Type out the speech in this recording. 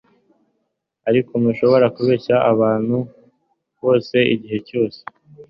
ariko ntushobora kubeshya abantu bose igihe cyose